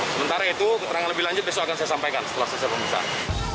sementara itu keterangan lebih lanjut besok akan saya sampaikan setelah selesai pemeriksaan